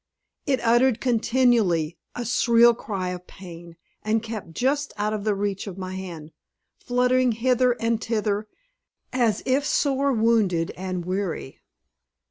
It uttered continually a shrill cry of pain, and kept just out of the reach of my hand, fluttering hither and thither, as if sore wounded and weary.